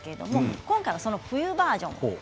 今回は冬バージョンです。